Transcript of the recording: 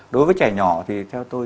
đối với trẻ nhỏ thì theo tôi